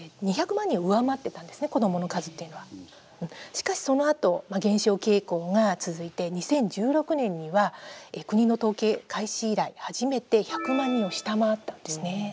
しかしそのあと減少傾向が続いて２０１６年には国の統計開始以来初めて１００万人を下回ったんですね。